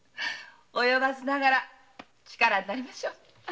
及ばずながら力になりましょう。